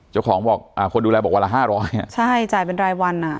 เจ้าของบอกอ่าคนดูแลบอกวันละห้าร้อยอ่ะใช่จ่ายเป็นรายวันอ่ะ